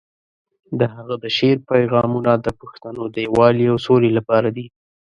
د هغه د شعر پیغامونه د پښتنو د یووالي او سولې لپاره دي.